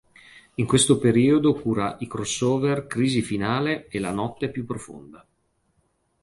In questo periodo cura i crossover "Crisi finale" e "La notte più profonda".